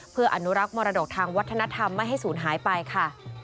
เพื่ออนุรักษ์มรดกทางวัฒนธรรมไม่ให้ศูนย์หายไปค่ะ